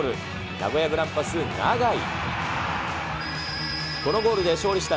名古屋グランパス、永井。